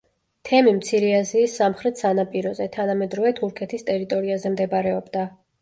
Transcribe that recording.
თემი მცირე აზიის სამხრეთ სანაპიროზე, თანამედროვე თურქეთის ტერიტორიაზე მდებარეობდა.